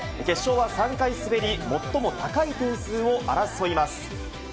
決勝は３回滑り、最も高い点数を争います。